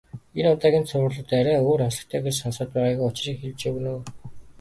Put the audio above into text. Энэ удаагийн цувралууд арай өөр онцлогтой гэж сонстоод байгаагийн учрыг хэлж өгнө үү.